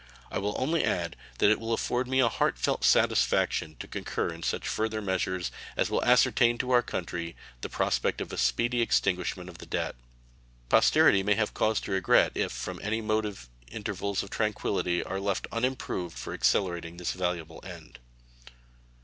I will only add that it will afford me a heart felt satisfaction to concur in such further measures as will ascertain to our country the prospect of a speedy extinguishment of the debt. Posterity may have cause to regret if from any motive intervals of tranquillity are left unimproved for accelerating this valuable end.